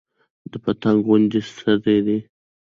د پتنګ غوندې ستي دى